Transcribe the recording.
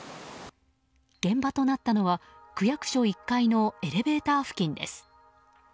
現場となったのは区役所１階のエレベーター付近です。